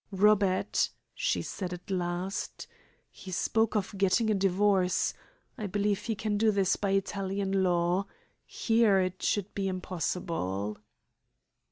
"Robert," she said at last, "he spoke of getting a divorce. I believe he can do this by Italian law. Here it should be impossible."